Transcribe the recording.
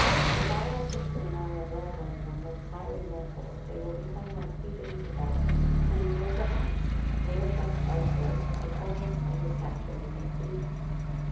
For by our fixing an eye of rivalry on those high examples they will become like beacons to guide us, and will perhaps lift up our souls to the fulness of the stature we conceive.